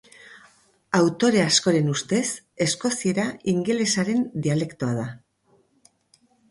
Autore askoren ustez, eskoziera ingelesaren dialektoa da.